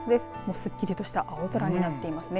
すっきりとした青空になっていますね。